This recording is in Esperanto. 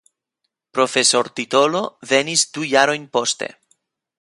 Profesortitolo venis du jarojn poste.